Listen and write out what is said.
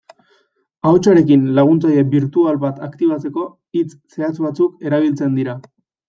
Ahotsarekin laguntzaile birtual bat aktibatzeko, hitz zehatz batzuk erabiltzen dira.